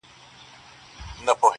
انسان لا هم زده کوي،